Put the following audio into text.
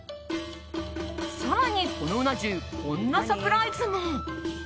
更に、このうな重こんなサプライズも。